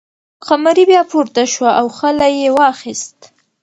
قمري بیا پورته شوه او خلی یې واخیست.